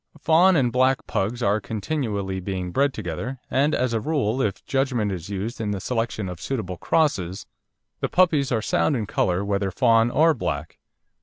Fawn and black Pugs are continually being bred together, and, as a rule, if judgment is used in the selection of suitable crosses, the puppies are sound in colour, whether fawn or black.